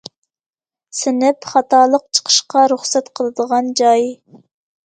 سىنىپ خاتالىق چىقىشقا رۇخسەت قىلىدىغان جاي.